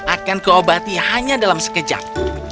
akan kuobati hanya dalam sekejap